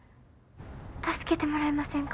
助けてもらえませんか？